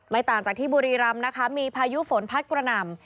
ต่างจากที่บุรีรำนะคะมีพายุฝนพัดกระหน่ำ